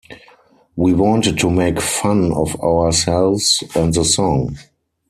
We wanted to make fun of ourselves and the song.